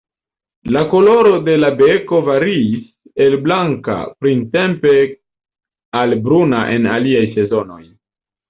La koloro de la beko variis el blanka printempe al bruna en aliaj sezonoj.